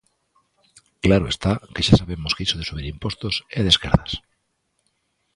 Claro está que xa sabemos que iso de subir impostos é de esquerdas.